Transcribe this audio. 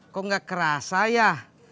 kok gak kerasa ya